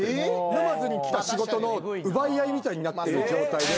沼津に来た仕事の奪い合いみたいになってる状態で。